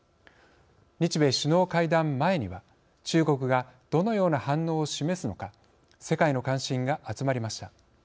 日米首脳会談前には中国がどのような反応を示すのか世界の関心が集まりました。